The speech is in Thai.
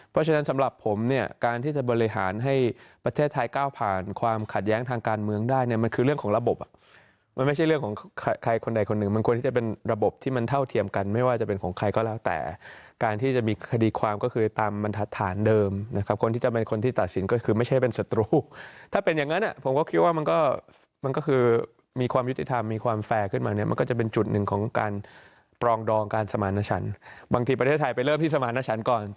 เพราะฉะนั้นสำหรับผมเนี่ยการที่จะบริหารให้ประเทศไทยก้าวผ่านความขัดแย้งทางการเมืองได้เนี่ยมันคือเรื่องของระบบมันไม่ใช่เรื่องของใครคนใดคนหนึ่งมันควรจะเป็นระบบที่มันเท่าเทียมกันไม่ว่าจะเป็นของใครก็แล้วแต่การที่จะมีคดีความก็คือตามมันทัดฐานเดิมนะครับคนที่จะเป็นคนที่ตัดสินก็คือไม่ใช่เป็